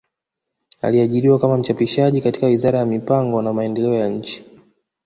Aliajiriwa kama mchapishaji katika wizara ya mipango na maendeleo ya nchi